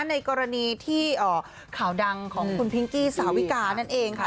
ในกรณีที่ข่าวดังของคุณพิงกี้สาวิกานั่นเองค่ะ